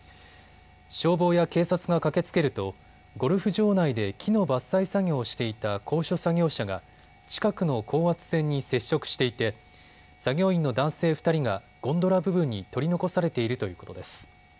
消防や警察が駆けつけるとゴルフ場内で木の伐採作業をしていた高所作業車が近くの高圧線に接触していて作業員の男性２人がゴンドラ部分に取り残されているということです。